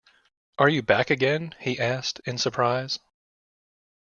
Are you back again? he asked, in surprise.